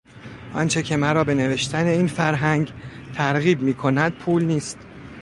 آنچه که مرا به نوشتن این فرهنگ ترغیب میکند، پول نیست.